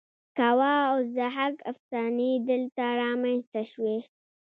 کاوه او ضحاک افسانې دلته رامینځته شوې